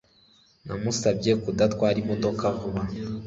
Namusabye kudatwara imodoka vuba